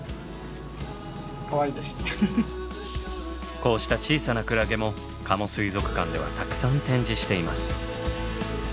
こうした小さなクラゲも加茂水族館ではたくさん展示しています。